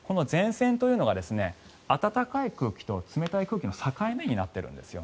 この前線は暖かい空気と冷たい空気の境目になっているんです。